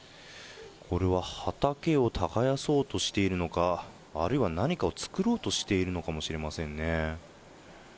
これは畑を耕そうとしているのか、あるいは何かを作ろうとしているのかもしれませんね。